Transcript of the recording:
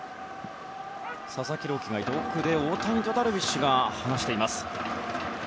佐々木朗希が奥で大谷とダルビッシュと話しています。